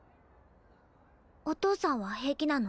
お父さんは平気なの？